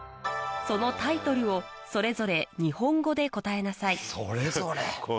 そのタイトルをそれぞれ日本語で答えなさいそれぞれ。